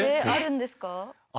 あるんですか？